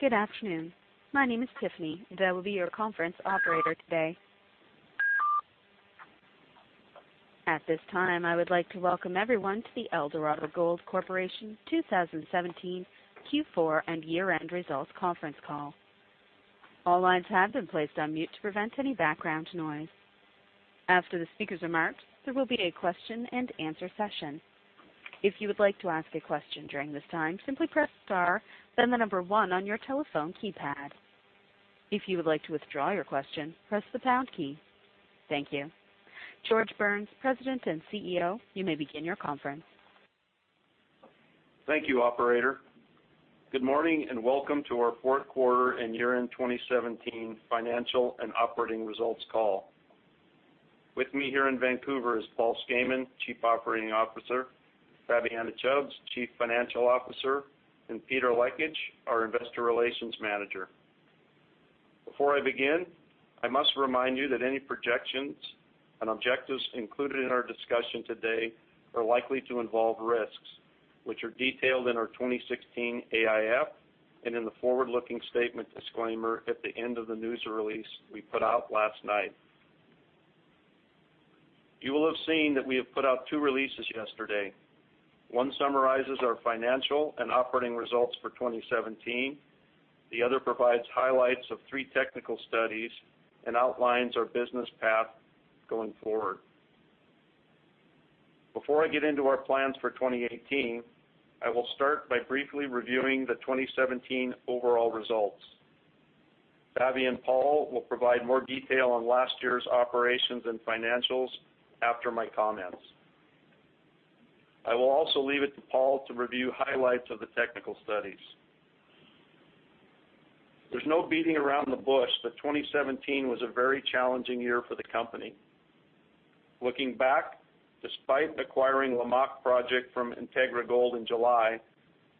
Good afternoon. My name is Tiffany, and I will be your conference operator today. At this time, I would like to welcome everyone to the Eldorado Gold Corporation 2017 Q4 and year-end results conference call. All lines have been placed on mute to prevent any background noise. After the speakers' remarks, there will be a question-and-answer session. If you would like to ask a question during this time, simply press star, then the number one on your telephone keypad. If you would like to withdraw your question, press the pound key. Thank you. George Burns, President and CEO, you may begin your conference. Thank you, Operator. Good morning and welcome to our fourth quarter and year-end 2017 financial and operating results call. With me here in Vancouver is Paul Skayman, Chief Operating Officer, Fabiana Chubbs, Chief Financial Officer, and Peter Lekich, our Investor Relations Manager. Before I begin, I must remind you that any projections and objectives included in our discussion today are likely to involve risks, which are detailed in our 2016 AIF and in the forward-looking statement disclaimer at the end of the news release we put out last night. You will have seen that we have put out two releases yesterday. One summarizes our financial and operating results for 2017. The other provides highlights of three technical studies and outlines our business path going forward. Before I get into our plans for 2018, I will start by briefly reviewing the 2017 overall results. Fabi and Paul will provide more detail on last year's operations and financials after my comments. I will also leave it to Paul to review highlights of the technical studies. There's no beating around the bush, but 2017 was a very challenging year for the company. Looking back, despite acquiring Lamaque project from Integra Gold in July,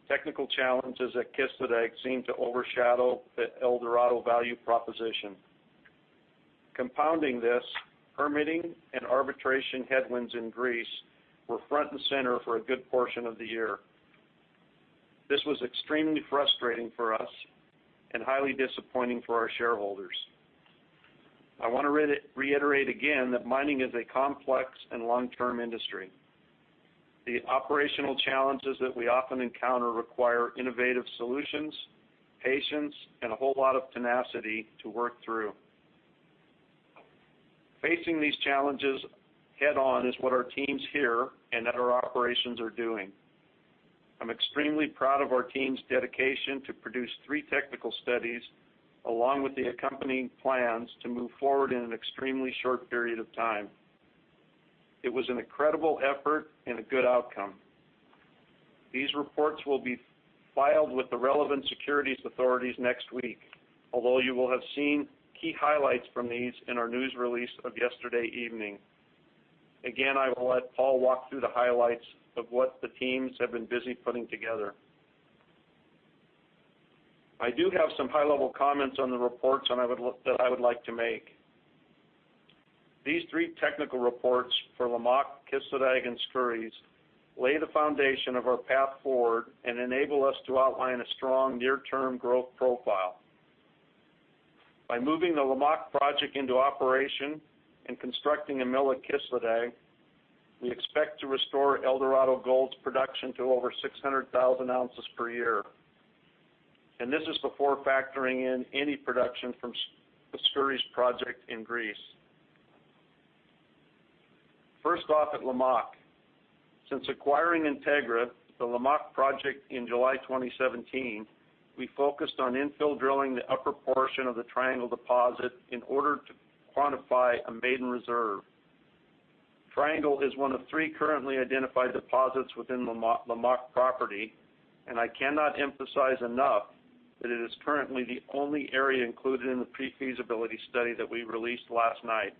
technical challenges at Kışladağ seemed to overshadow the Eldorado value proposition. Compounding this, permitting and arbitration headwinds in Greece were front and center for a good portion of the year. This was extremely frustrating for us and highly disappointing for our shareholders. I want to reiterate again that mining is a complex and long-term industry. The operational challenges that we often encounter require innovative solutions, patience, and a whole lot of tenacity to work through. Facing these challenges head-on is what our teams here and at our operations are doing. I'm extremely proud of our team's dedication to produce three technical studies, along with the accompanying plans to move forward in an extremely short period of time. It was an incredible effort and a good outcome. These reports will be filed with the relevant securities authorities next week. Although you will have seen key highlights from these in our news release of yesterday evening. Again, I will let Paul walk through the highlights of what the teams have been busy putting together. I do have some high-level comments on the reports that I would like to make. These three technical reports for Lamaque, Kışladağ, and Skouries lay the foundation of our path forward and enable us to outline a strong near-term growth profile. By moving the Lamaque project into operation and constructing a mill at Kışladağ, we expect to restore Eldorado Gold's production to over 600,000 oz per year. This is before factoring in any production from the Skouries project in Greece. First off, at Lamaque. Since acquiring Integra, the Lamaque project in July 2017, we focused on infill drilling the upper portion of the Triangle deposit in order to quantify a maiden reserve. Triangle is one of three currently identified deposits within the Lamaque property, and I cannot emphasize enough that it is currently the only area included in the pre-feasibility study that we released last night.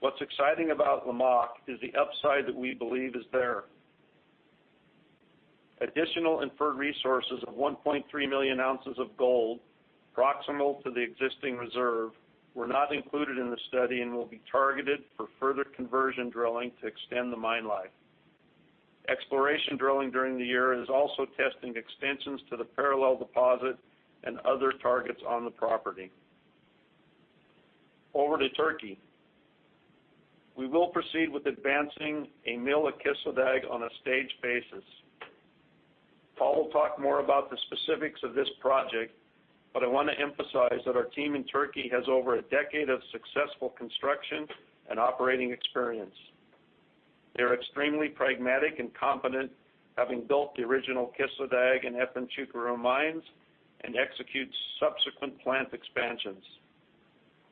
What's exciting about Lamaque is the upside that we believe is there. Additional inferred resources of 1.3 million oz of gold proximal to the existing reserve were not included in the study and will be targeted for further conversion drilling to extend the mine life. Exploration drilling during the year is also testing extensions to the Parallel deposit and other targets on the property. Over to Turkey. We will proceed with advancing a mill at Kışladağ on a staged basis. Paul will talk more about the specifics of this project, but I want to emphasize that our team in Turkey has over a decade of successful construction and operating experience. They're extremely pragmatic and competent, having built the original Kışladağ and Efemçukuru mines and execute subsequent plant expansions.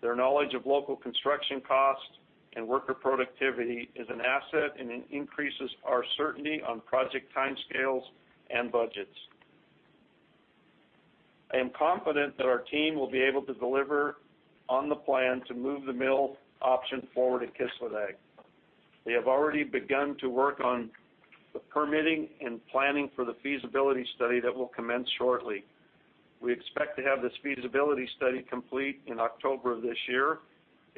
Their knowledge of local construction costs and worker productivity is an asset and it increases our certainty on project timescales and budgets. I am confident that our team will be able to deliver on the plan to move the mill option forward at Kışladağ. They have already begun to work on the permitting and planning for the feasibility study that will commence shortly. We expect to have this feasibility study complete in October of this year,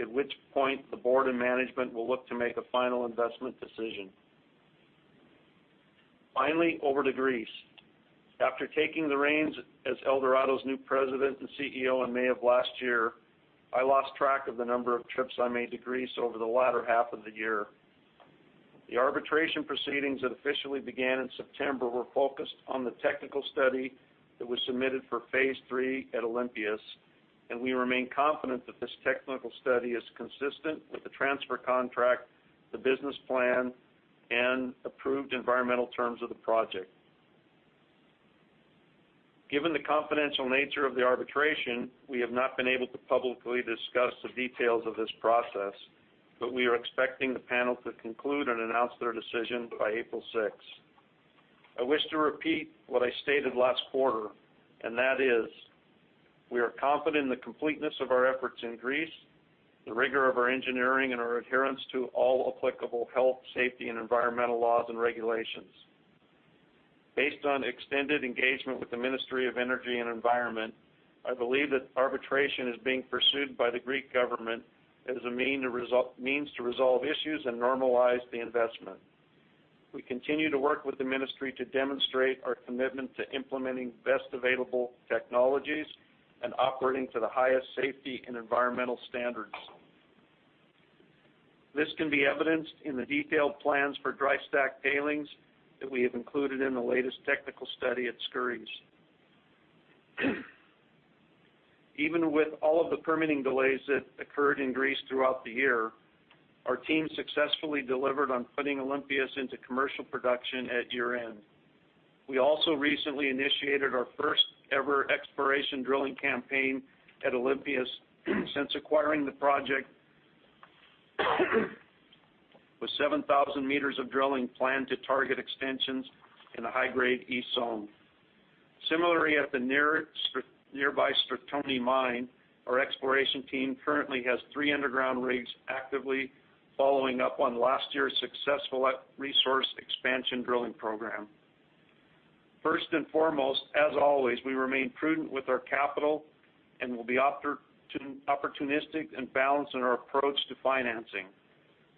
at which point the board and management will look to make a final investment decision. Finally, over to Greece. After taking the reins as Eldorado's new President and CEO in May of last year, I lost track of the number of trips I made to Greece over the latter half of the year. The arbitration proceedings that officially began in September were focused on the technical study that was submitted for phase three at Olympias, and we remain confident that this technical study is consistent with the Transfer Contract, the business plan, and approved environmental terms of the project. Given the confidential nature of the arbitration, we have not been able to publicly discuss the details of this process, but we are expecting the panel to conclude and announce their decision by April 6th. I wish to repeat what I stated last quarter, and that is, we are confident in the completeness of our efforts in Greece, the rigor of our engineering, and our adherence to all applicable health, safety and environmental laws and regulations. Based on extended engagement with the Ministry of Environment and Energy, I believe that arbitration is being pursued by the Greek government as a means to resolve issues and normalize the investment. We continue to work with the ministry to demonstrate our commitment to implementing best available technologies and operating to the highest safety and environmental standards. This can be evidenced in the detailed plans for dry stack tailings that we have included in the latest technical study at Skouries. Even with all of the permitting delays that occurred in Greece throughout the year, our team successfully delivered on putting Olympias into commercial production at year-end. We also recently initiated our first ever exploration drilling campaign at Olympias since acquiring the project, with 7,000 meters of drilling planned to target extensions in the high-grade East Zone. Similarly, at the nearby Stratoni mine, our exploration team currently has three underground rigs actively following up on last year's successful resource expansion drilling program. First and foremost, as always, we remain prudent with our capital and we'll be opportunistic and balanced in our approach to financing.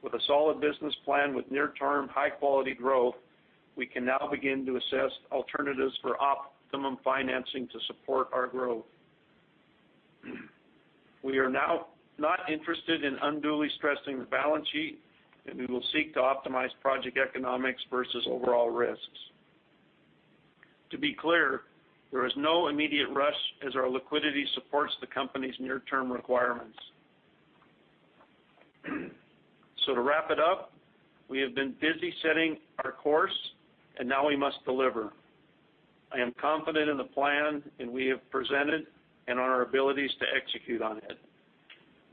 With a solid business plan with near-term high quality growth, we can now begin to assess alternatives for optimum financing to support our growth. We are not interested in unduly stressing the balance sheet, and we will seek to optimize project economics versus overall risks. To be clear, there is no immediate rush as our liquidity supports the company's near-term requirements. To wrap it up, we have been busy setting our course and now we must deliver. I am confident in the plan that we have presented and on our abilities to execute on it.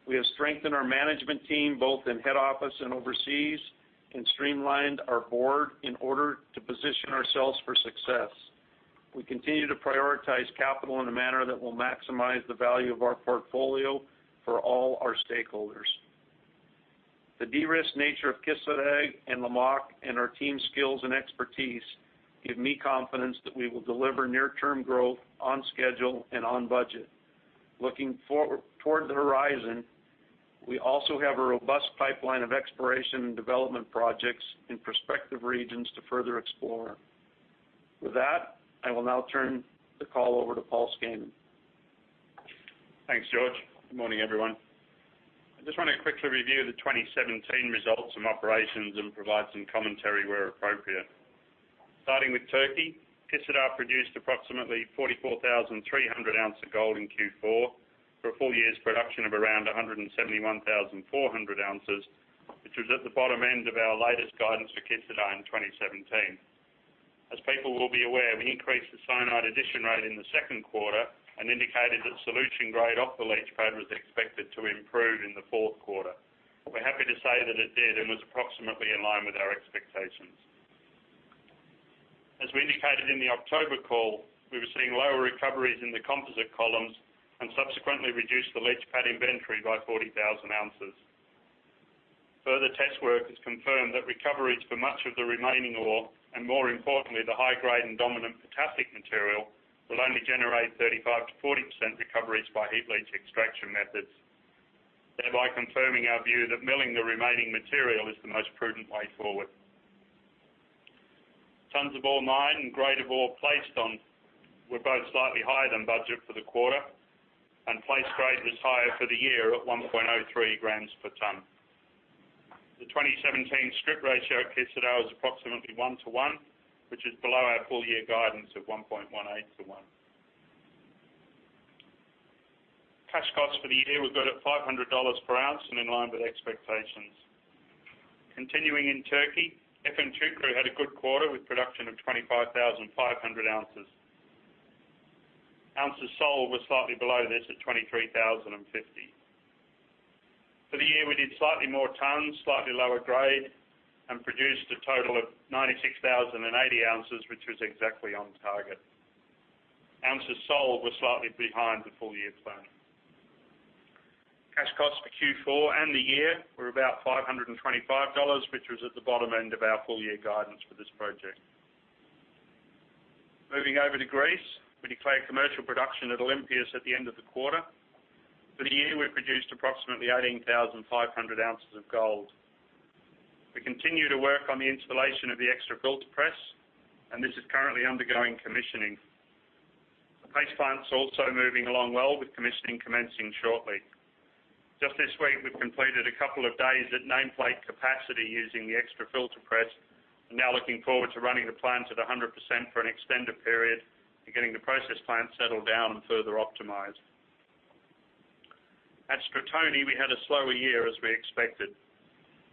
We have strengthened our management team, both in head office and overseas, and streamlined our board in order to position ourselves for success. We continue to prioritize capital in a manner that will maximize the value of our portfolio for all our stakeholders. The de-risk nature of Kışladağ and Lamaque and our team's skills and expertise give me confidence that we will deliver near-term growth on schedule and on budget. Looking toward the horizon, we also have a robust pipeline of exploration and development projects in prospective regions to further explore. With that, I will now turn the call over to Paul Skayman. Thanks, George. Good morning, everyone. I just want to quickly review the 2017 results and operations and provide some commentary where appropriate. Starting with Turkey, Kışladağ produced approximately 44,300 oz of gold in Q4, for a full year's production of around 171,400 oz, which was at the bottom end of our latest guidance for Kışladağ in 2017. As people will be aware, we increased the cyanide addition rate in the second quarter and indicated that solution grade off the leach pad was expected to improve in the fourth quarter. We're happy to say that it did and was approximately in line with our expectations. As we indicated in the October call, we were seeing lower recoveries in the composite columns and subsequently reduced the leach pad inventory by 40,000 oz. Further test work has confirmed that recoveries for much of the remaining ore, and more importantly, the high-grade and dominant potassic material, will only generate 35%-40% recoveries by heap leach extraction methods, thereby confirming our view that milling the remaining material is the most prudent way forward. Tonnes of ore mined and grade of ore placed on were both slightly higher than budget for the quarter, and placed grade was higher for the year at 1.03 grams per ton. The 2017 strip ratio at Kışladağ is approximately 1:1, which is below our full year guidance of 1.18:1. Cash costs for the year were good at $500 per ounce and in line with expectations. Continuing in Turkey, Efemçukuru had a good quarter with production of 25,500 oz. Ounces sold were slightly below this at 23,050. For the year, we did slightly more tons, slightly lower grade, and produced a total of 96,080 oz, which was exactly on target. Ounces sold were slightly behind the full-year plan. Cash costs for Q4 and the year were about $525, which was at the bottom end of our full-year guidance for this project. Moving over to Greece, we declared commercial production at Olympias at the end of the quarter. For the year, we've produced approximately 18,500 oz of gold. We continue to work on the installation of the extra filter press, and this is currently undergoing commissioning. The paste plant is also moving along well, with commissioning commencing shortly. Just this week, we've completed a couple of days at nameplate capacity using the extra filter press. We're now looking forward to running the plant at 100% for an extended period and getting the process plant settled down and further optimized. At Stratoni, we had a slower year as we expected.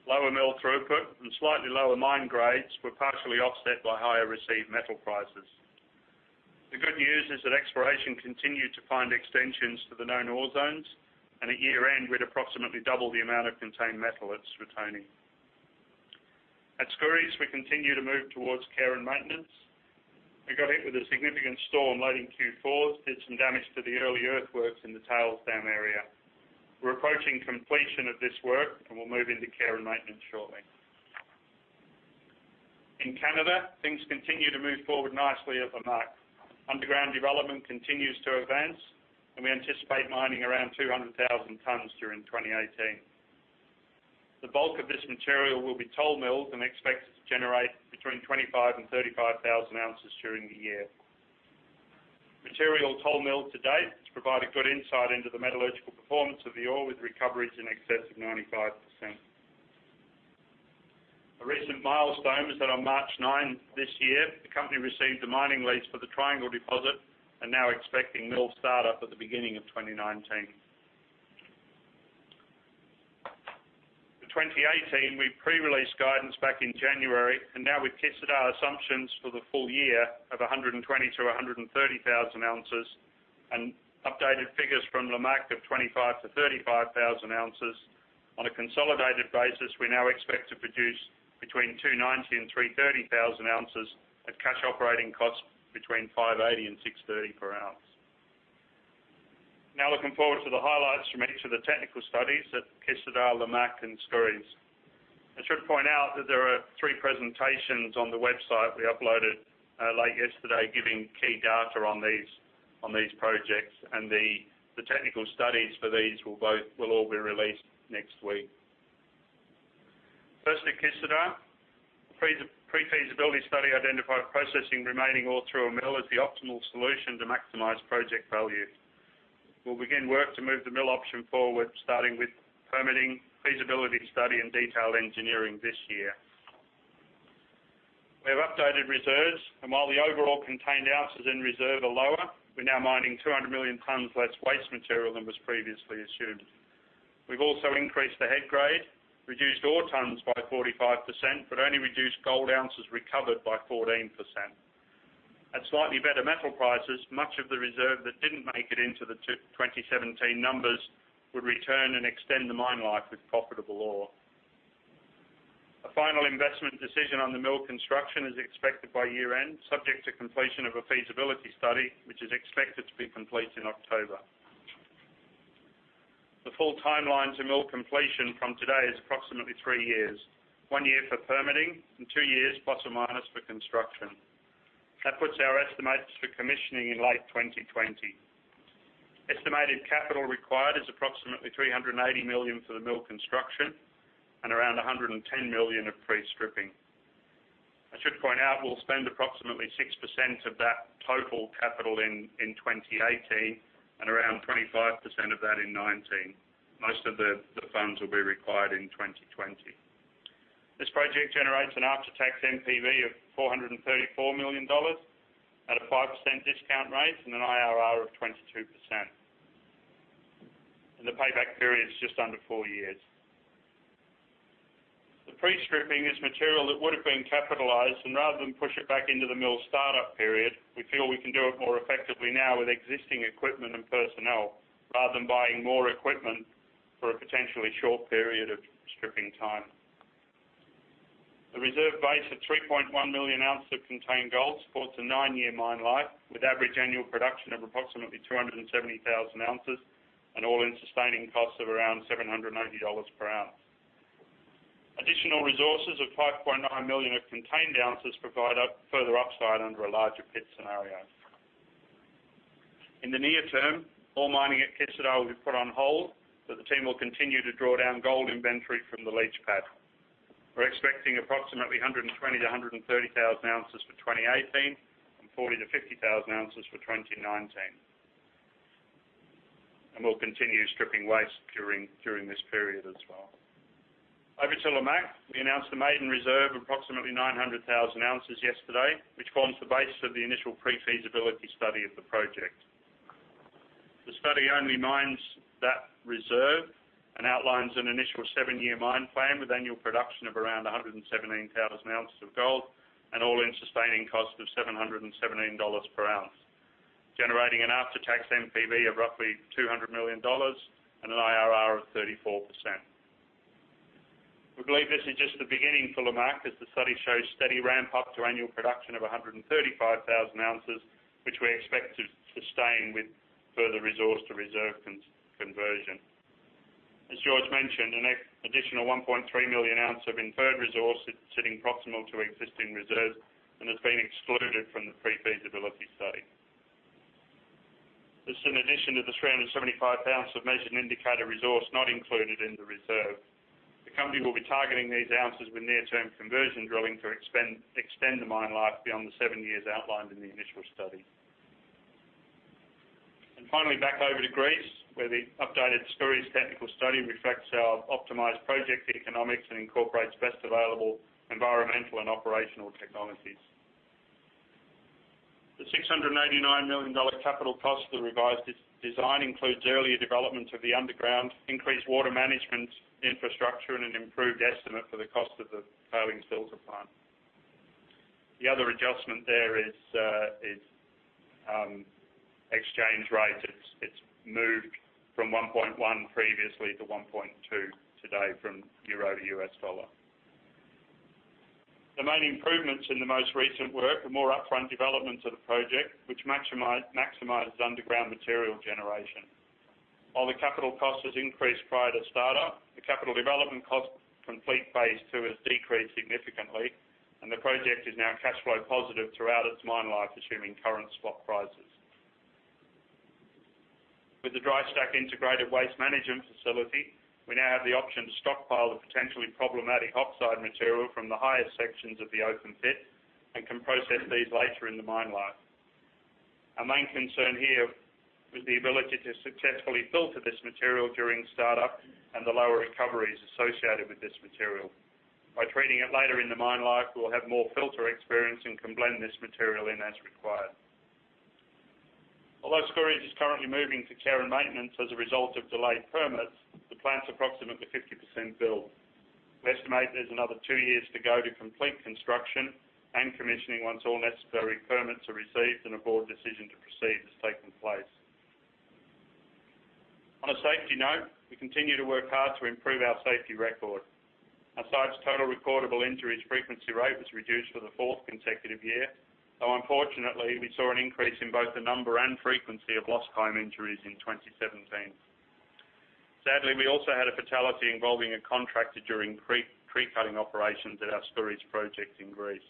Lower mill throughput and slightly lower mine grades were partially offset by higher received metal prices. The good news is that exploration continued to find extensions to the known ore zones, and at year-end, we had approximately double the amount of contained metal at Stratoni. At Skouries, we continue to move towards care and maintenance. We got hit with a significant storm late in Q4 that did some damage to the early earthworks in the tails dam area. We're approaching completion of this work, and we'll move into care and maintenance shortly. In Canada, things continue to move forward nicely at Lamaque. Underground development continues to advance, and we anticipate mining around 200,000 tons during 2018. The bulk of this material will be toll milled and expected to generate between 25,000 oz and 35,000 oz during the year. Material toll milled to date has provided good insight into the metallurgical performance of the ore, with recoveries in excess of 95%. A recent milestone is that on March 9th this year, the company received the mining lease for the Triangle deposit, and now expecting mill startup at the beginning of 2019. For 2018, we pre-released guidance back in January, and now with Kışladağ assumptions for the full year of 120,000 oz-130,000 oz and updated figures from Lamaque of 25,000 oz-35,000 oz. On a consolidated basis, we now expect to produce between 290,000 oz and 330,000 oz at cash operating costs between $580 and $630 per oz. Now looking forward to the highlights from each of the technical studies at Kışladağ, Lamaque, and Skouries. I should point out that there are three presentations on the website we uploaded late yesterday giving key data on these projects, and the technical studies for these will all be released next week. First at Kışladağ, pre-feasibility study identified processing remaining ore through a mill as the optimal solution to maximize project value. We'll begin work to move the mill option forward, starting with permitting, feasibility study, and detailed engineering this year. We have updated reserves, and while the overall contained ounces in reserve are lower, we're now mining 200 million tons less waste material than was previously assumed. We've also increased the head grade, reduced ore tons by 45%, but only reduced gold ounces recovered by 14%. At slightly better metal prices, much of the reserve that didn't make it into the 2017 numbers would return and extend the mine life with profitable ore. A final investment decision on the mill construction is expected by year-end, subject to completion of a feasibility study, which is expected to be complete in October. The full timeline to mill completion from today is approximately three years. One year for permitting, and two years, plus or minus, for construction. That puts our estimates for commissioning in late 2020. Estimated capital required is approximately $380 million for the mill construction and around $110 million of pre-stripping. I should point out we'll spend approximately 6% of that total capital in 2018 and around 25% of that in 2019. Most of the funds will be required in 2020. This project generates an after-tax NPV of $434 million at a 5% discount rate and an IRR of 22%. The payback period is just under four years. The pre-stripping is material that would've been capitalized, and rather than push it back into the mill's startup period, we feel we can do it more effectively now with existing equipment and personnel, rather than buying more equipment for a potentially short period of stripping time. The reserve base of 3.1 million oz of contained gold supports a nine-year mine life, with average annual production of approximately 270,000 oz and all-in sustaining costs of around $780 per oz. Additional resources of 5.9 million of contained oz provide further upside under a larger pit scenario. In the near term, ore mining at Kışladağ will be put on hold, but the team will continue to draw down gold inventory from the leach pad. We're expecting approximately 120,000 oz-130,000 oz for 2018 and 40,000 oz-50,000 oz for 2019. We'll continue stripping waste during this period as well. Over to Lamaque. We announced the maiden reserve of approximately 900,000 oz yesterday, which forms the base of the initial pre-feasibility study of the project. The study only mines that reserve and outlines an initial seven-year mine plan with annual production of around 117,000 oz of gold and all-in sustaining costs of $717 per oz, generating an after-tax NPV of roughly $200 million and an IRR of 34%. We believe this is just the beginning for Lamaque as the study shows steady ramp up to annual production of 135,000 oz, which we expect to sustain with further resource to reserve conversion. As George mentioned, an additional 1.3 million oz of inferred resource is sitting proximal to existing reserves and has been excluded from the pre-feasibility study. This is in addition to the 375,000 oz of measured and indicated resource not included in the reserve. The company will be targeting these ounces with near-term conversion drilling to extend the mine life beyond the seven years outlined in the initial study. Finally, back over to Greece, where the updated Skouries technical study reflects our optimized project economics and incorporates best available environmental and operational technologies. The $689 million capital cost of the revised design includes earlier development of the underground increased water management infrastructure and an improved estimate for the cost of the tailings filter plant. The other adjustment there is exchange rate. It's moved from 1.1 previously to 1.2 today from euro to U.S. dollar. The main improvements in the most recent work are more upfront development of the project, which maximizes underground material generation. While the capital cost has increased prior to startup, the capital development cost from fleet phase two has decreased significantly, and the project is now cash flow positive throughout its mine life, assuming current spot prices. With the dry stack integrated waste management facility, we now have the option to stockpile the potentially problematic oxide material from the highest sections of the open pit and can process these later in the mine life. Our main concern here was the ability to successfully filter this material during startup and the lower recoveries associated with this material. By treating it later in the mine life, we'll have more filter experience and can blend this material in as required. Although Skouries is currently moving to care and maintenance as a result of delayed permits, the plant is approximately 50% built. We estimate there's another two years to go to complete construction and commissioning once all necessary permits are received, and a board decision to proceed has taken place. On a safety note, we continue to work hard to improve our safety record. Our site's total recordable injury frequency rate was reduced for the fourth consecutive year, though unfortunately, we saw an increase in both the number and frequency of lost time injuries in 2017. Sadly, we also had a fatality involving a contractor during pre-cutting operations at our Skouries project in Greece.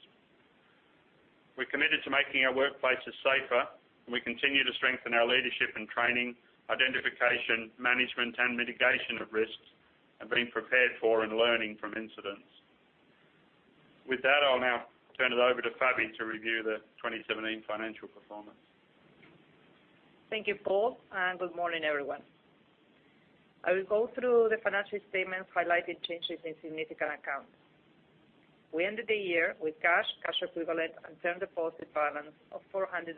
We're committed to making our workplaces safer, and we continue to strengthen our leadership and training, identification, management, and mitigation of risks, and being prepared for and learning from incidents. With that, I'll now turn it over to Fabi to review the 2017 financial performance. Thank you, Paul, and good morning, everyone. I will go through the financial statements, highlighting changes in significant accounts. We ended the year with cash and cash equivalents and term deposit balance of $485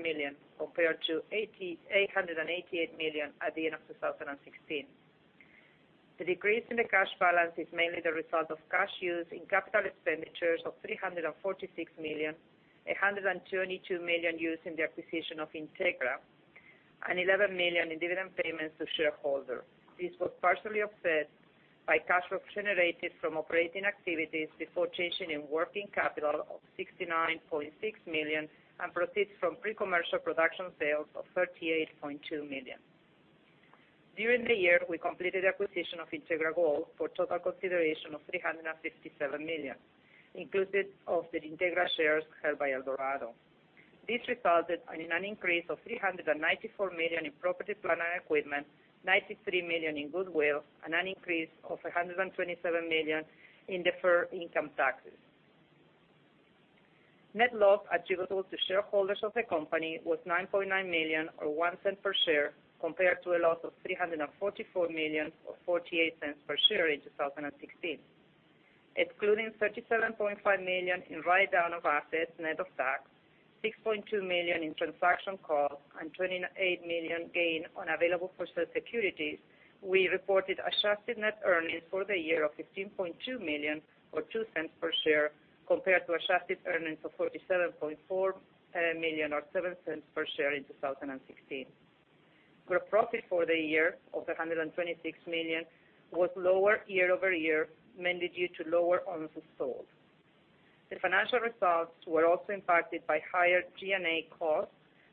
million, compared to $888 million at the end of 2016. The decrease in the cash balance is mainly the result of cash used in capital expenditures of $346 million, $122 million used in the acquisition of Integra, and $11 million in dividend payments to shareholders. This was partially offset by cash flow generated from operating activities before changes in working capital of $69.6 million and proceeds from pre-commercial production sales of $38.2 million. During the year, we completed acquisition of Integra Gold for total consideration of $357 million, inclusive of the Integra shares held by Eldorado. This resulted in an increase of $394 million in property, plant, and equipment, $93 million in goodwill, and an increase of $127 million in deferred income taxes. Net loss attributable to shareholders of the company was $9.9 million or $0.01 per share compared to a loss of $344 million or $0.48 per share in 2016. Excluding $37.5 million in write-down of assets net of tax, $6.2 million in transaction costs, and $28 million gain on available for sale securities, we reported adjusted net earnings for the year of $15.2 million or $0.02 per share compared to adjusted earnings of $47.4 million or $0.07 per share in 2016. Gross profit for the year of $126 million was lower year-over-year, mainly due to lower ounces sold. The financial results were also impacted by higher G&A costs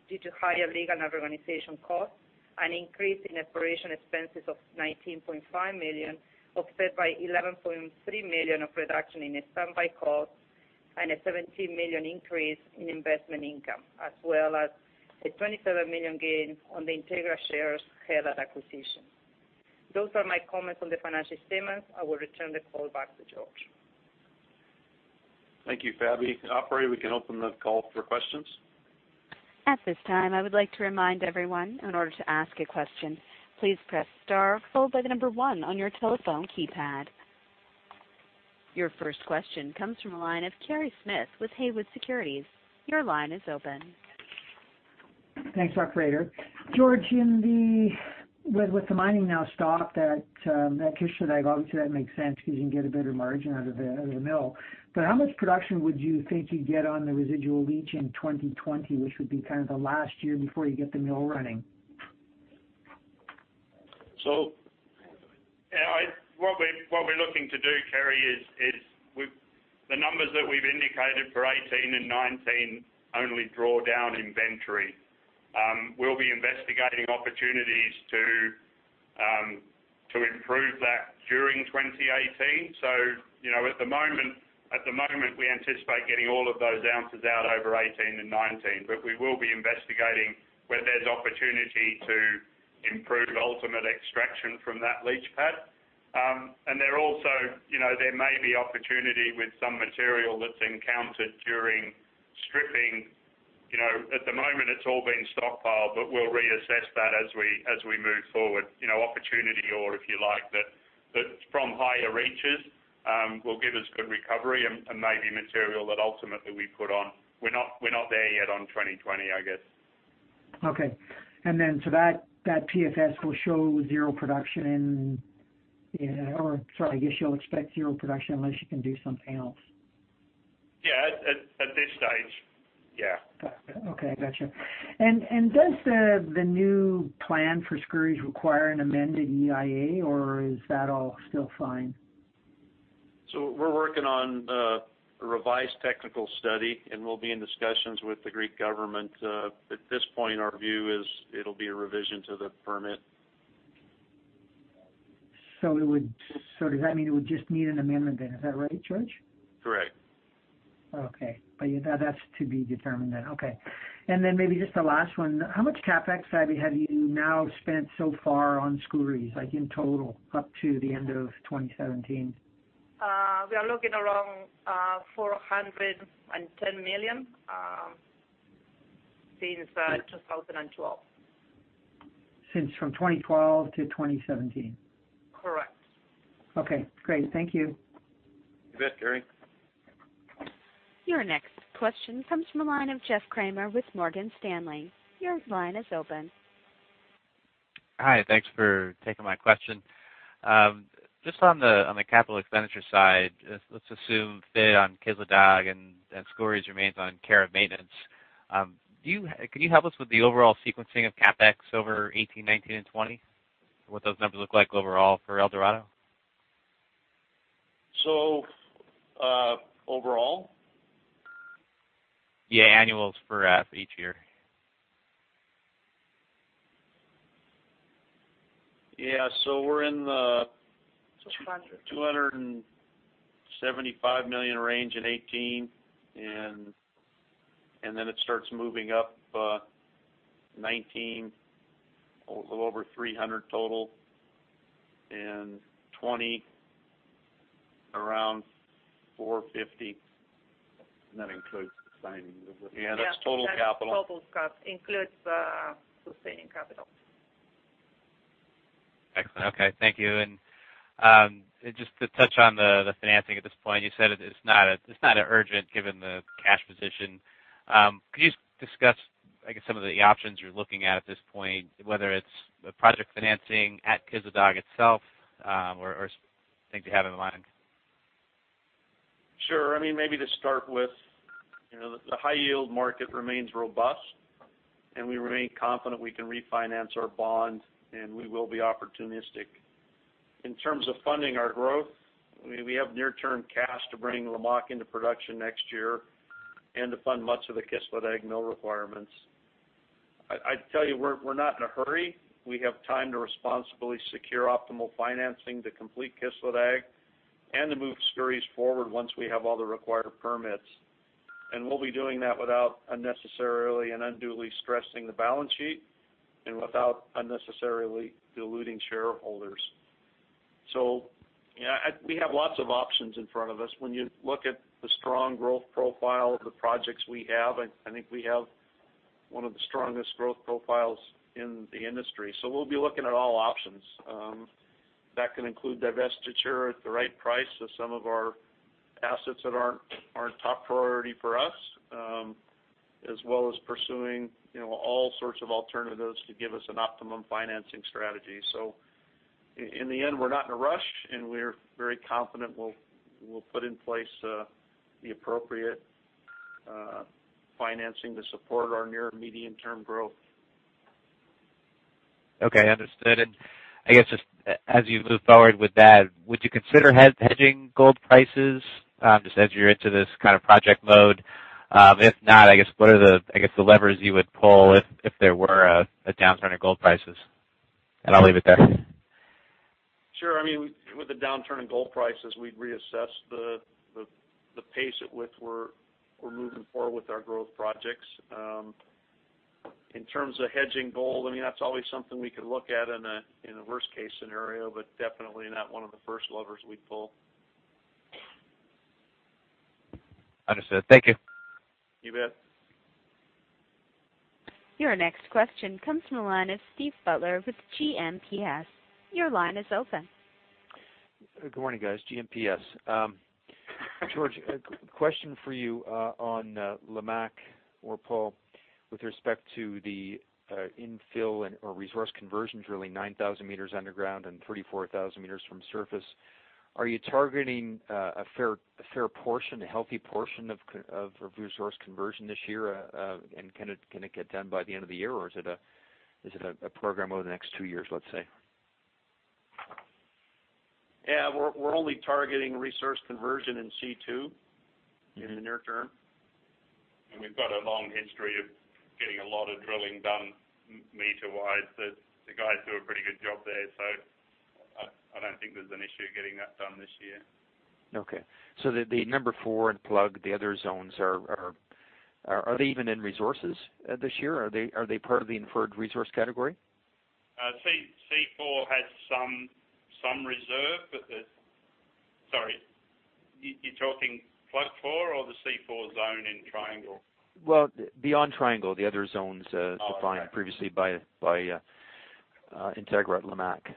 due to higher legal and organizational costs, an increase in operating expenses of $19.5 million, offset by $11.3 million of reduction in standby costs, and a $17 million increase in investment income, as well as a $27 million gain on the Integra shares held at acquisition. Those are my comments on the financial statements. I will return the call back to George. Thank you, Fabi. Operator, we can open the call for questions. At this time, I would like to remind everyone, in order to ask a question, please press star followed by the number one on your telephone keypad. Your first question comes from the line of Kerry Smith with Haywood Securities. Your line is open. Thanks, Operator. George, with the mining now stopped at Kışladağ, obviously that makes sense because you can get a better margin out of the mill. How much production would you think you'd get on the residual leach in 2020, which would be kind of the last year before you get the mill running? What we're looking to do, Kerry, is with the numbers that we've indicated for 2018 and 2019 only draw down inventory. We'll be investigating opportunities to improve that during 2018. At the moment, we anticipate getting all of those ounces out over 2018 and 2019. We will be investigating where there's opportunity to improve ultimate extraction from that leach pad. There may be opportunity with some material that's encountered during stripping. At the moment, it's all been stockpiled, but we'll reassess that as we move forward. Opportunity ore, if you like, that from higher reaches, will give us good recovery and maybe material that ultimately we put on. We're not there yet on 2020, I guess. Okay. That PFS will show zero production, sorry. I guess you'll expect zero production unless you can do something else. Yeah. At this stage. Yeah. Okay. Got you. Does the new plan for Skouries require an amended EIA, or is that all still fine? We're working on a revised technical study, and we'll be in discussions with the Greek government. At this point, our view is it'll be a revision to the permit. Does that mean it would just need an amendment then? Is that right, George? Correct. Okay. That's to be determined then. Okay. Maybe just the last one. How much CapEx, Fabi, have you now spent so far on Skouries, like in total, up to the end of 2017? We are looking around $410 million since 2012. Since from 2012 to 2017? Correct. Okay, great. Thank you. You bet, Kerry. Your next question comes from the line of Jeff Kramer with Morgan Stanley. Your line is open. Hi, thanks for taking my question. Just on the capital expenditure side, let's assume stay on Kışladağ, and Skouries remains on care and maintenance. Can you help us with the overall sequencing of CapEx over 2018, 2019, and 2020? What those numbers look like overall for Eldorado? So, uh, overall? Yeah, annuals for each year. Yeah. So, we're in the- 200. $275 million range in 2018, and then it starts moving up 2019, a little over $300 million total, and 2020 around $450 million. That includes sustaining, does it? Yeah, that's total capital. Yeah, that's total cap, includes sustaining capital. Excellent. Okay. Thank you. Just to touch on the financing at this point, you said it's not urgent given the cash position. Could you discuss, I guess, some of the options you're looking at this point, whether it's project financing at Kışladağ itself, or things you have in mind? Sure. Maybe to start with, the high yield market remains robust, and we remain confident we can refinance our bond, and we will be opportunistic. In terms of funding our growth, we have near-term cash to bring Lamaque into production next year and to fund much of the Kışladağ mill requirements. I'd tell you, we're not in a hurry. We have time to responsibly secure optimal financing to complete Kışladağ and to move Skouries forward once we have all the required permits. We'll be doing that without unnecessarily and unduly stressing the balance sheet and without unnecessarily diluting shareholders. We have lots of options in front of us. When you look at the strong growth profile of the projects we have, I think we have one of the strongest growth profiles in the industry. We'll be looking at all options. That can include divestiture at the right price of some of our assets that aren't top priority for us, as well as pursuing all sorts of alternatives to give us an optimum financing strategy. In the end, we're not in a rush, and we're very confident we'll put in place the appropriate financing to support our near and medium-term growth. Okay, understood. I guess just as you move forward with that, would you consider hedging gold prices, just as you're into this kind of project mode? If not, I guess what are the levers you would pull if there were a downturn in gold prices? I'll leave it there. Sure. With a downturn in gold prices, we'd reassess the pace at which we're moving forward with our growth projects. In terms of hedging gold, that's always something we could look at in a worst-case scenario, but definitely not one of the first levers we'd pull. Understood. Thank you. You bet. Your next question comes from the line of Steve Butler with GMPS. Your line is open. Good morning, guys. GMPS. George, a question for you on Lamaque, or Paul, with respect to the infill and resource conversions, really, 9,000 meters underground and 34,000 meters from surface. Are you targeting a fair portion, a healthy portion of resource conversion this year? Can it get done by the end of the year or is it a program over the next two years, let's say? Yeah. We're only targeting resource conversion in C2 in the near term. We've got a long history of getting a lot of drilling done meter-wise, the guys do a pretty good job there. I don't think there's an issue getting that done this year. Okay. The No. 4 Plug and the other zones, are they even in resources this year? Are they part of the inferred resource category? C2 has some reserve. Sorry, you're talking Plug 4 or the C2 zone in Triangle? Well, beyond Triangle, the other zones. Oh, okay. Defined previously by Integra at Lamaque.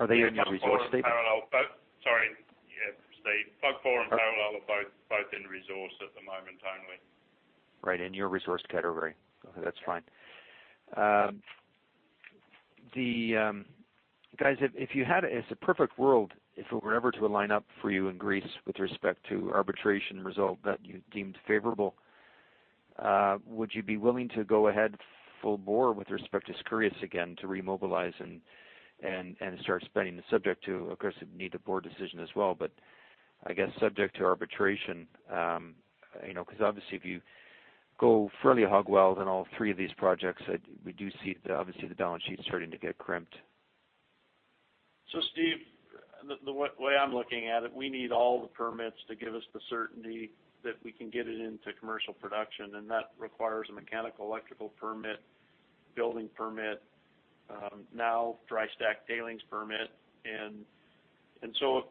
Are they in your resource statement? Plug 4 and Parallel. Sorry. Yeah, Plug 4 and Parallel are both in resource at the moment only. Right, in your resource category. Okay, that's fine. Guys, if you had. It's a perfect world, if it were ever to align up for you in Greece with respect to arbitration result that you deemed favorable, would you be willing to go ahead full bore with respect to Skouries again to remobilize and start spending, subject to, of course, it'd need the board decision as well, but I guess subject to arbitration? Because obviously if you go fairly hog wild on all three of these projects, we do see the, obviously the balance sheet starting to get crimped. Steve, the way I'm looking at it, we need all the permits to give us the certainty that we can get it into commercial production, and that requires a mechanical electrical permit, building permit, now dry stack tailings permit.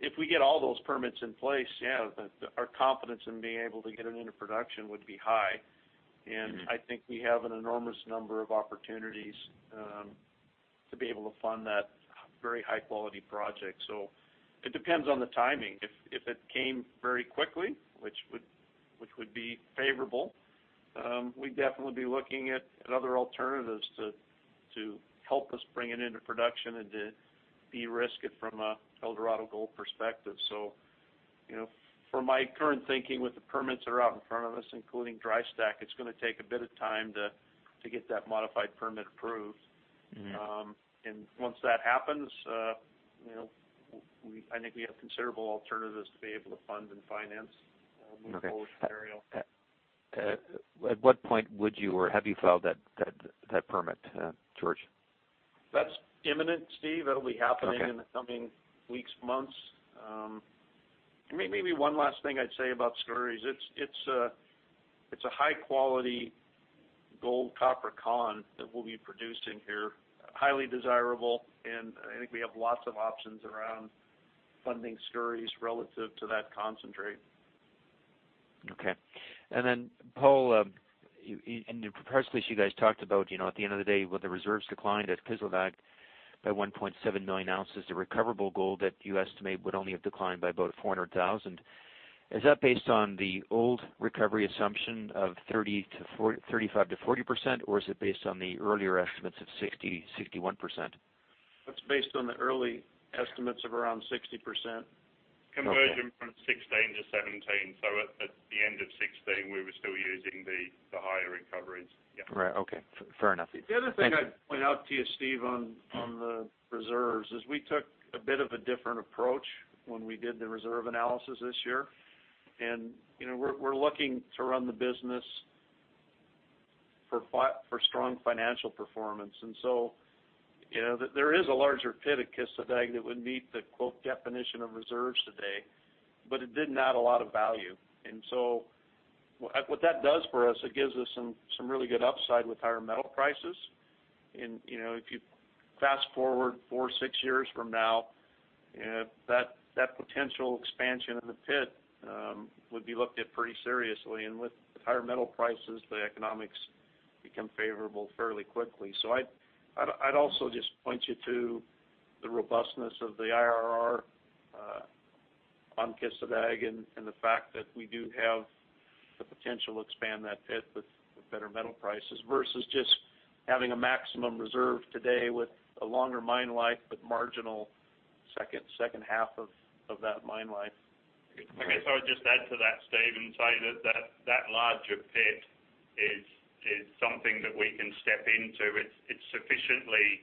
If we get all those permits in place, yeah, our confidence in being able to get it into production would be high. I think we have an enormous number of opportunities to be able to fund that very high quality project. It depends on the timing. If it came very quickly, which would be favorable, we'd definitely be looking at other alternatives to help us bring it into production and to de-risk it from a Eldorado Gold perspective. For my current thinking with the permits that are out in front of us, including dry stack, it's going to take a bit of time to get that modified permit approved. Mm-hmm. Once that happens, I think we have considerable alternatives to be able to fund and finance the full scenario. Okay. At what point would you or have you filed that permit, George? That's imminent, Steve. That'll be happening- Okay. In the coming weeks, months. Maybe one last thing I'd say about Skouries, it's a high quality gold copper con that we'll be producing here. Highly desirable, and I think we have lots of options around funding Skouries relative to that concentrate. Okay. And then Paul, and perhaps this you guys talked about, at the end of the day with the reserves declined at Kışladağ by 1.7 million oz of recoverable gold that you estimate would only have declined by about 400,000 oz. Is that based on the old recovery assumption of 35%-40%, or is it based on the earlier estimates of 60%-61%? That's based on the early estimates of around 60%. Okay. Conversion from 2016 to 2017. At the end of 2016, we were still using the higher recoveries. Yeah. Right. Okay. Fair enough. Thank you. The other thing I'd point out to you, Steve, on the reserves is we took a bit of a different approach when we did the reserve analysis this year. We're looking to run the business for strong financial performance. And so... Yeah, there is a larger pit at Kışladağ that would meet the cutoff definition of reserves today, but it didn't add a lot of value. And so. What that does for us, it gives us some really good upside with higher metal prices. If you fast forward four, six years from now, that potential expansion of the pit would be looked at pretty seriously. With higher metal prices, the economics become favorable fairly quickly. I'd also just point you to the robustness of the IRR on Kışladağ and the fact that we do have the potential to expand that pit with better metal prices versus just having a maximum reserve today with a longer mine life, but marginal second half of that mine life. I guess I would just add to that, Steve, and say that that larger pit is something that we can step into. It's sufficiently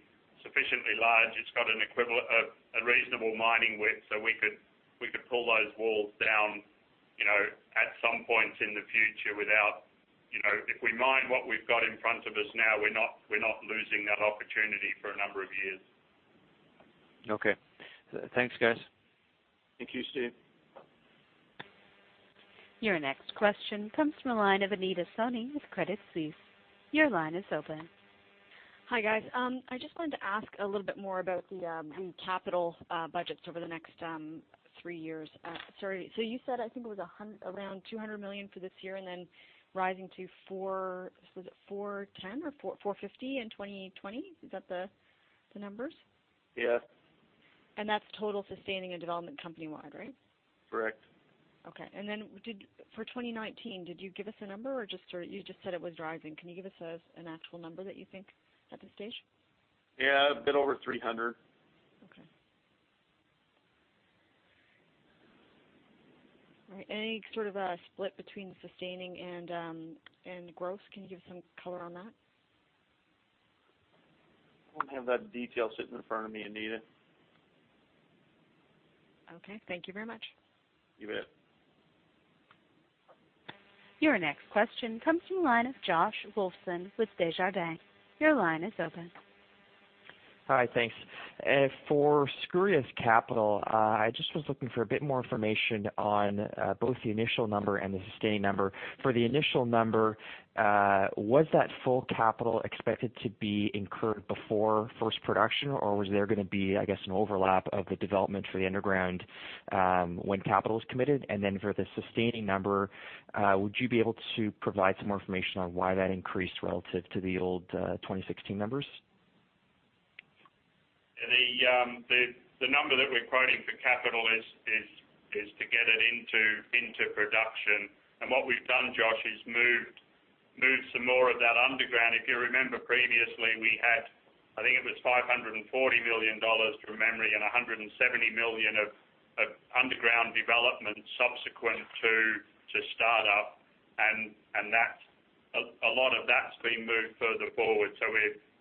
large. It's got a reasonable mining width. So we could pull those walls down at some point in the future. If we mine what we've got in front of us now, we're not losing that opportunity for a number of years. Okay. Thanks, guys. Thank you, Steve. Your next question comes from the line of Anita Soni with Credit Suisse. Your line is open. Hi, guys. I just wanted to ask a little bit more about the capital budgets over the next three years. Sorry. You said I think it was around $200 million for this year and then rising to $410 million or $450 million in 2020. Is that the numbers? Yes. That's total sustaining and development company-wide, right? Correct. Okay. For 2019, did you give us a number or you just said it was rising? Can you give us an actual number that you think at this stage? Yeah. A bit over $300 million. Okay. All right. Any sort of a split between sustaining and growth? Can you give some color on that? I don't have that detail sitting in front of me, Anita. Okay. Thank you very much. You bet. Your next question comes from the line of Josh Wolfson with Desjardins. Your line is open. Hi. Thanks. For Skouries capital, I just was looking for a bit more information on both the initial number and the sustaining number. For the initial number, was that full capital expected to be incurred before first production or was there going to be, I guess, an overlap of the development for the underground, when capital is committed? For the sustaining number, would you be able to provide some more information on why that increased relative to the old 2016 numbers? The number that we're quoting for capital is to get it into production. What we've done, Josh, is moved some more of that underground. If you remember previously, we had, I think it was $540 million from memory and $170 million of underground development subsequent to start up, and a lot of that's been moved further forward.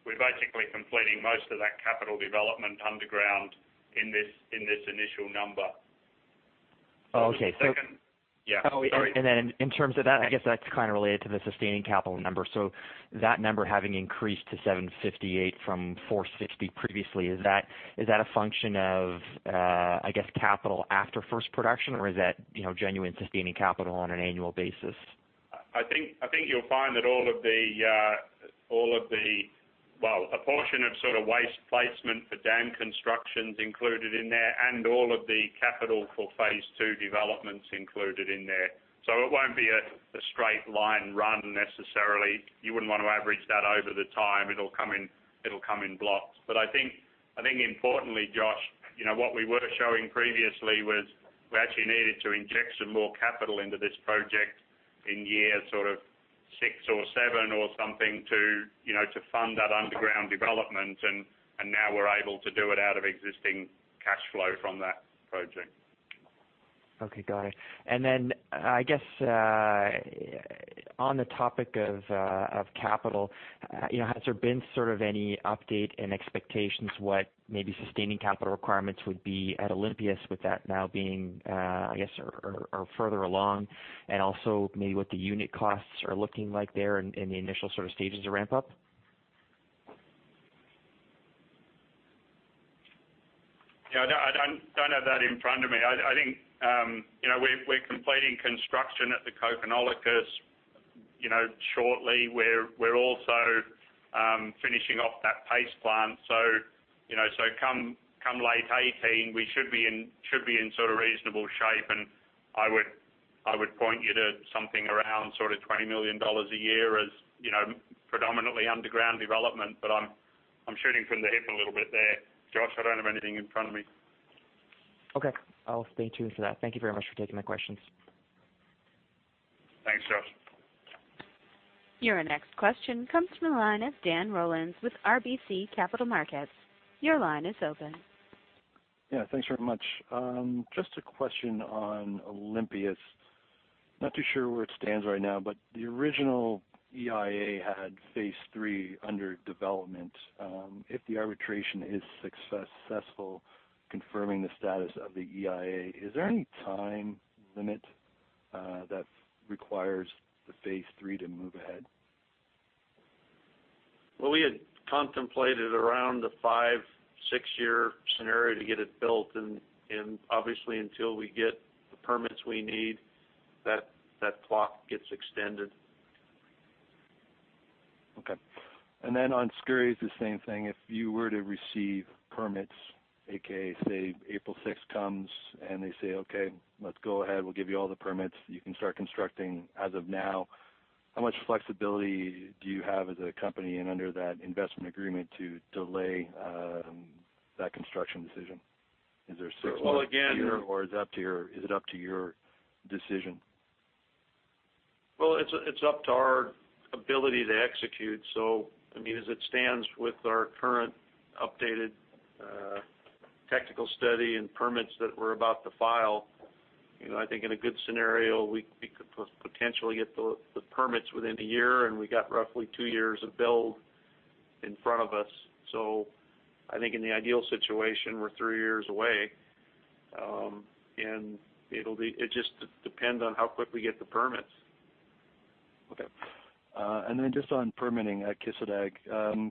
We're basically completing most of that capital development underground in this initial number. Oh, okay. Yeah. Then in terms of that, I guess that's kind of related to the sustaining capital number. That number having increased to $758 from $460 previously, is that a function of, I guess, capital after first production or is that genuine sustaining capital on an annual basis? I think you'll find that, well, a portion of waste placement for dam construction's included in there, and all of the capital for phase two development's included in there. It won't be a straight line run necessarily. You wouldn't want to average that over the time. It'll come in blocks. I think importantly, Josh, what we were showing previously was we actually needed to inject some more capital into this project in year six or seven or something to fund that underground development. Now we're able to do it out of existing cash flow from that project. Okay, got it. I guess, on the topic of capital, has there been any update and expectations what maybe sustaining capital requirements would be at Olympias with that now being, I guess, further along? And also maybe what the unit costs are looking like there in the initial stages of ramp up? Yeah, I don't have that in front of me. I think, we're completing construction at the Kokkinolakkas shortly. We're also finishing off that paste plant. Come late 2018, we should be in reasonable shape, and I would point you to something around $20 million a year as predominantly underground development. I'm shooting from the hip a little bit there, Josh. I don't have anything in front of me. Okay. I'll stay tuned for that. Thank you very much for taking my questions. Thanks, Josh. Your next question comes from the line of Dan Rollins with RBC Capital Markets. Your line is open. Yeah. Thanks very much. Just a question on Olympias. Not too sure where it stands right now, but the original EIA had phase three under development. If the arbitration is successful confirming the status of the EIA, is there any time limit that requires the phase three to move ahead? Well, we had contemplated around the five, six year scenario to get it built, and obviously until we get the permits we need, that plot gets extended. Okay. On Skouries, the same thing. If you were to receive permits, AKA, say, April 6th comes and they say, "Okay, let's go ahead. We'll give you all the permits. You can start constructing as of now." How much flexibility do you have as a company and under that investment agreement to delay that construction decision? Is there six months a year or is it up to your decision? Well, it's up to our ability to execute. As it stands with our current updated technical study and permits that we're about to file, I think in a good scenario, we could potentially get the permits within a year, and we got roughly two years of build in front of us. I think in the ideal situation, we're three years away. It just depends on how quick we get the permits. Okay. Just on permitting at Kışladağ.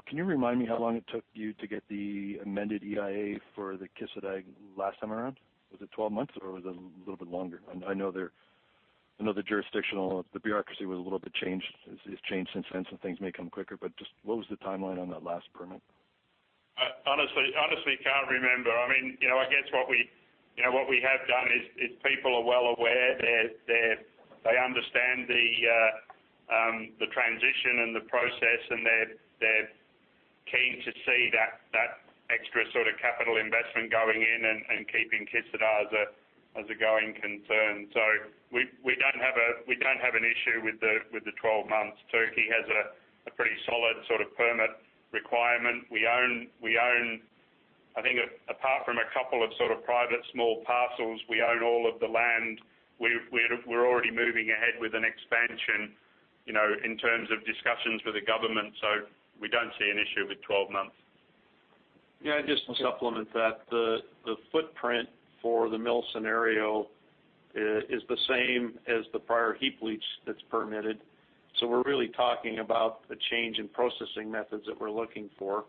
Can you remind me how long it took you to get the amended EIA for the Kışladağ last time around? Was it 12 months or was it a little bit longer? I know the jurisdictional bureaucracy has changed since then, so things may come quicker, but just what was the timeline on that last permit? I honestly can't remember. I guess what we have done is people are well aware. They understand the transition and the process, and they're keen to see that sort of capital investment going in and keeping Kışladağ as a going concern. We don't have an issue with the 12 months. Turkey has a pretty solid sort of permit requirement. I think apart from a couple of private small parcels, we own all of the land. We're already moving ahead with an expansion, in terms of discussions with the government, so we don't see an issue with 12 months. Yeah. Just to supplement that, the footprint for the mill scenario is the same as the prior heap leach that's permitted. We're really talking about a change in processing methods that we're looking for,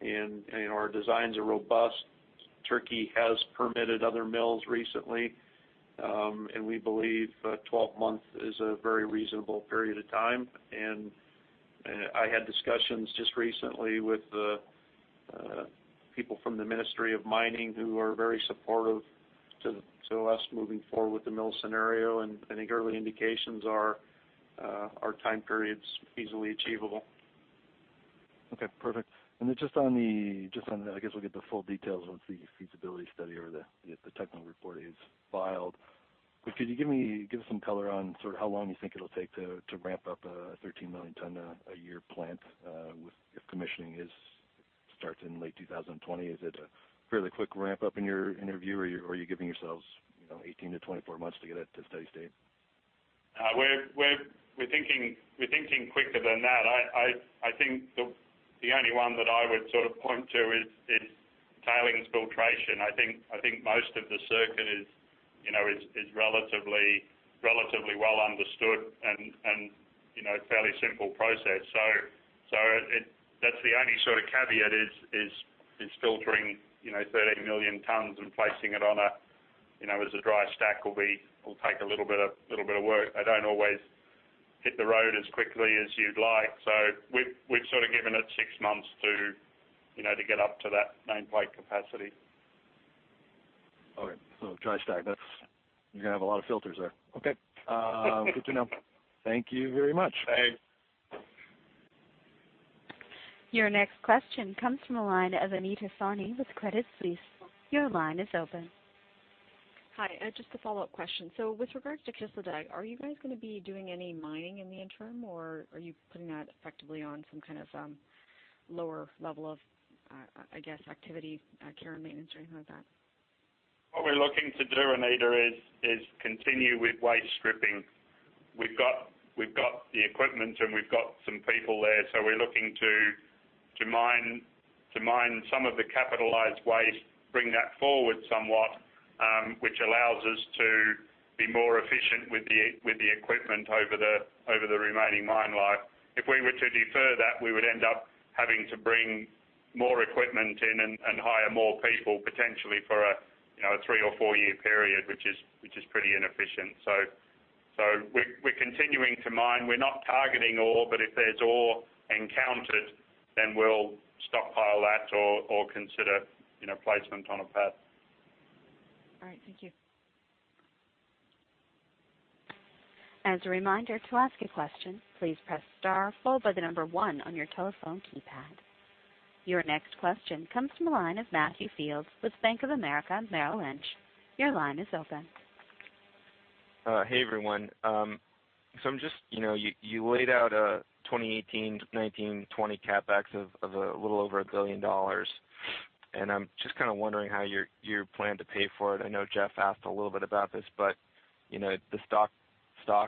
and our designs are robust. Turkey has permitted other mills recently, and we believe 12 months is a very reasonable period of time. I had discussions just recently with the people from the ministry of mining who are very supportive to us moving forward with the mill scenario. I think early indications are our time period's easily achievable. Okay. Perfect. I guess we'll get the full details once the feasibility study or the technical report is filed. Could you give some color on how long you think it'll take to ramp up a 13 million ton a year plant, if commissioning starts in late 2020? Is it a fairly quick ramp-up in your view, or are you giving yourselves 18-24 months to get it to steady state? We're thinking quicker than that. I think the only one that I would sort of point to is tailings filtration. I think most of the circuit is relatively well understood and fairly simple process. That's the only sort of caveat is filtering 13 million tons and placing it on as a dry stack will take a little bit of work. They don't always hit the road as quickly as you'd like. We've sort of given it six months to get up to that nameplate capacity. Okay. Dry stack. You're going to have a lot of filters there. Okay. Good to know. Thank you very much. Thanks. Your next question comes from the line of Anita Soni with Credit Suisse. Your line is open. Hi. Just a follow-up question. With regards to Kışladağ, are you guys going to be doing any mining in the interim, or are you putting that effectively on some kind of lower level of, I guess, activity, care and maintenance or anything like that? What we're looking to do, Anita, is continue with waste stripping. We've got the equipment and we've got some people there, so we're looking to mine some of the capitalized waste, bring that forward somewhat, which allows us to be more efficient with the equipment over the remaining mine life. If we were to defer that, we would end up having to bring more equipment in and hire more people potentially for a three or four-year period, which is pretty inefficient. We're continuing to mine. We're not targeting ore, but if there's ore encountered, then we'll stockpile that or consider placement on a pad. All right. Thank you. As a reminder, to ask a question, please press star followed by the number one on your telephone keypad. Your next question comes from the line of Matthew Fields with Bank of America Merrill Lynch. Your line is open. Hey, everyone. You laid out a 2018, 2019, 2020 CapEx of a little over $1 billion, and I'm just kind of wondering how you plan to pay for it. I know Jeff asked a little bit about this, but the stock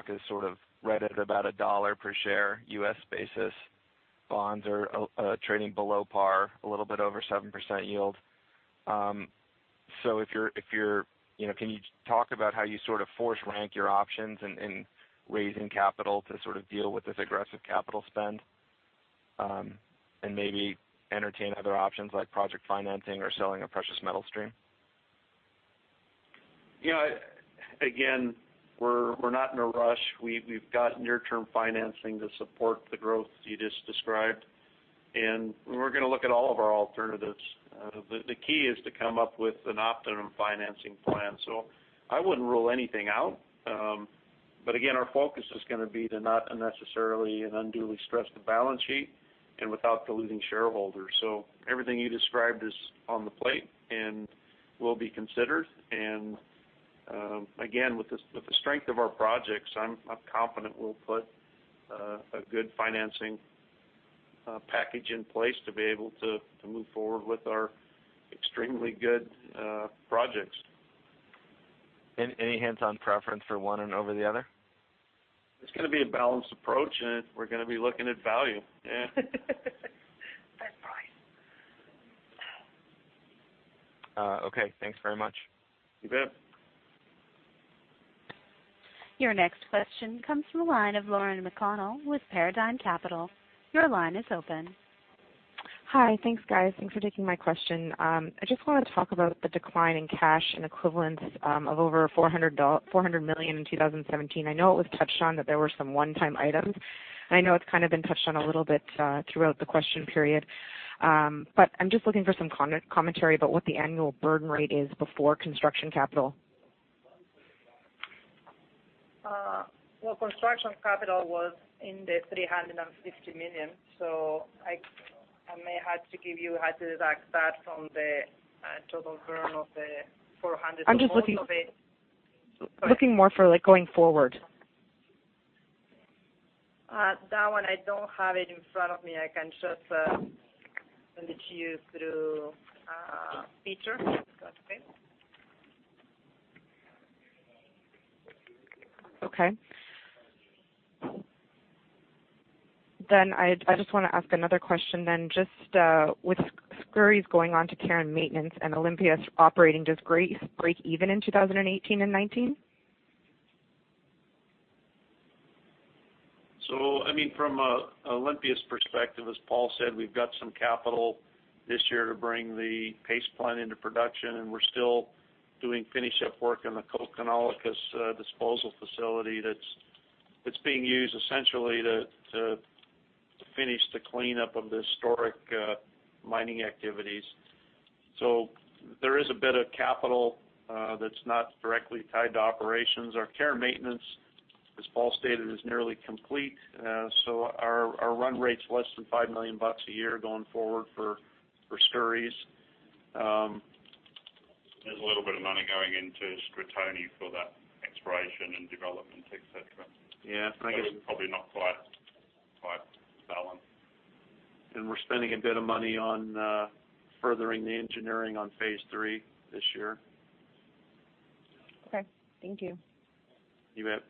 is sort of right at about $1 per share, U.S. basis. Bonds are trading below par, a little bit over 7% yield. Can you talk about how you sort of force rank your options in raising capital to sort of deal with this aggressive capital spend, and maybe entertain other options like project financing or selling a precious metal stream? Again, we're not in a rush. We've got near-term financing to support the growth you just described, and we're going to look at all of our alternatives. The key is to come up with an optimum financing plan. I wouldn't rule anything out. Again, our focus is going to be to not unnecessarily and unduly stress the balance sheet and without diluting shareholders. Everything you described is on the plate and will be considered. Again, with the strength of our projects, I'm confident we'll put a good financing package in place to be able to move forward with our extremely good projects. Any hints on preference for one and over the other? It's going to be a balanced approach, and we're going to be looking at value. That's right. Okay. Thanks very much. You bet. Your next question comes from the line of Lauren McConnell with Paradigm Capital. Your line is open. Hi. Thanks, guys. Thanks for taking my question. I just want to talk about the decline in cash and equivalents of over $400 million in 2017. I know it was touched on that there were some one-time items, and I know it's kind of been touched on a little bit throughout the question period. I'm just looking for some commentary about what the annual burn rate is before construction capital. Well, construction capital was in the $350 million, so I may have to give you, I have to deduct that from the total burn of the $400- I'm just looking more for going forward. That one, I don't have it in front of me. I can just send it to you through Peter. Is that okay? Okay. I just want to ask another question then. Just with Skouries going on to care and maintenance and Olympias operating, does Greece break even in 2018 and 2019? From Olympias perspective, as Paul said, we've got some capital this year to bring the paste plant into production, and we're still doing finish up work on the Kokkinolakkas disposal facility that's being used essentially to finish the cleanup of the historic mining activities. There is a bit of capital that's not directly tied to operations. Our care and maintenance, as Paul stated, is nearly complete. Our run rate's less than $5 million a year going forward for Skouries. There's a little bit of money going into Stratoni for that exploration and development, et cetera. Yeah, I guess. It's probably not quite balanced. We're spending a bit of money on furthering the engineering on phase three this year. Okay. Thank you. You bet.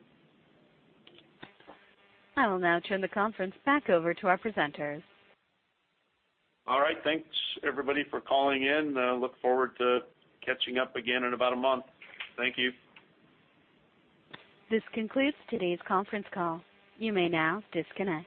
I will now turn the conference back over to our presenters. All right. Thanks everybody for calling in. Look forward to catching up again in about a month. Thank you. This concludes today's conference call. You may now disconnect.